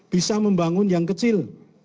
bisa membangun yang kecil